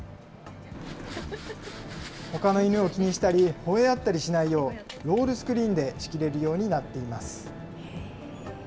ほかの犬を気にしたり、ほえ合ったりしないよう、ロールスクリーンで仕切れるようになっています。